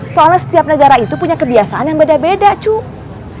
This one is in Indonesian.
soalnya setiap negara itu punya kebiasaan yang beda beda cuma